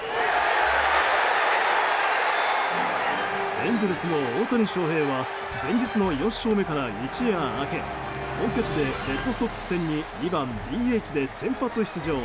エンゼルスの大谷翔平は前日の４勝目から一夜明け本拠地でレッドソックス戦に２番ＤＨで先発出場。